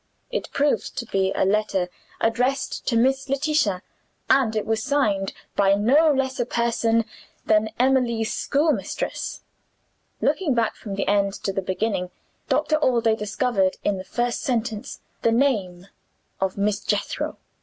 It proved to be a letter addressed to Miss Letitia; and it was signed by no less a person than Emily's schoolmistress. Looking back from the end to the beginning, Doctor Allday discovered, in the first sentence, the name of Miss Jethro.